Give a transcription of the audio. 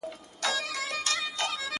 جهاني به له لکړي سره ځوان سي، ،